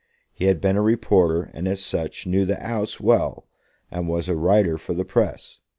He had been a reporter, and as such knew the "'Ouse" well, and was a writer for the press.